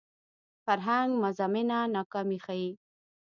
فرهنګ مزمنه ناکامي ښيي